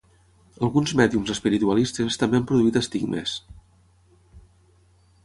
Alguns mèdiums espiritualistes també han produït estigmes.